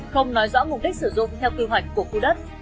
không nói rõ mục đích sử dụng theo quy hoạch của khu đất